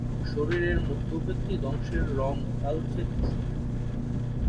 শরীরের মধ্যবর্তী অংশের রং কালচে ধূসর।